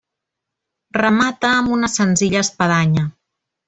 Remata amb una senzilla espadanya.